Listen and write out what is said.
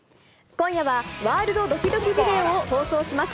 今夜は、ワールドドキドキビデオを放送します。